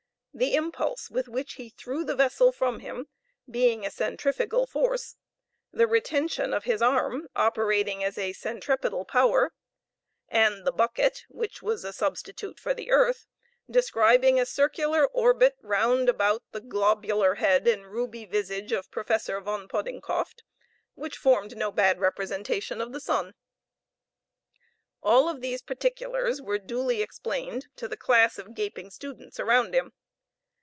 The impulse with which he threw the vessel from him, being a centrifugal force, the retention of his arm operating as a centripetal power, and the bucket, which was a substitute for the earth, describing a circular orbit round about the globular head and ruby visage of Professor Von Poddingcoft, which formed no bad representation of the sun. All of these particulars were duly explained to the class of gaping students around him.